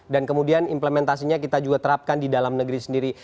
dan kemudian implementasinya kita juga terapkan di dalam negeri sendiri